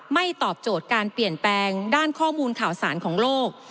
ตอบโจทย์การเปลี่ยนแปลงด้านข้อมูลข่าวสารของโลก